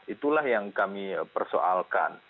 itulah yang kami persoalkan